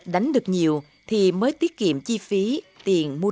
đánh được nhiều thì mới tiết kiệm chi phí tiền mua